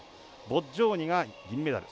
ボッジョーニが銀メダル。